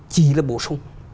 chỉ là bổ sung